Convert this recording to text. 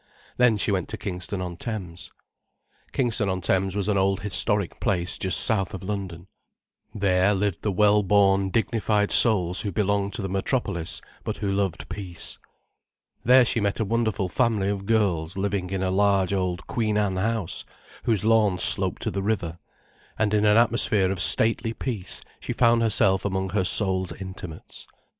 Then she went to Kingston on Thames. Kingston on Thames was an old historic place just south of London. There lived the well born dignified souls who belonged to the metropolis, but who loved peace. There she met a wonderful family of girls living in a large old Queen Anne house, whose lawns sloped to the river, and in an atmosphere of stately peace she found herself among her soul's intimates.